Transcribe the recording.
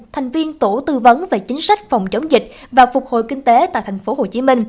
thành viên tổ tư vấn về chính sách phòng chống dịch và phục hồi kinh tế tại tp hcm